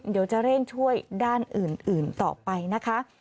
เดี๋ยวจะเร่งช่วยด้านอื่นต่อไปนะคะ